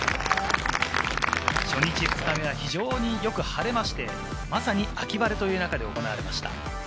初日２日目は非常によく晴れまして、まさに秋晴れという中で行われました。